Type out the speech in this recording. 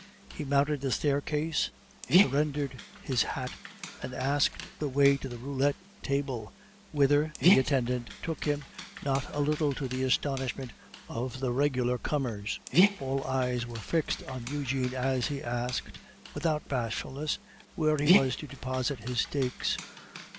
He mounted the staircase, surrendered his hat, and asked the way to the roulette table, whither the attendant took him, not a little to the astonishment of the regular comers. All eyes were fixed on Eugene as he asked, without bashfulness, where he was to deposit his stakes.